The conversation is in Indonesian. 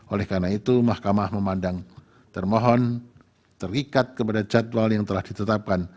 oleh karena itu mahkamah memandang termohon terikat kepada jadwal yang telah ditetapkan